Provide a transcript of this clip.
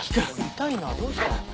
痛いなどうした？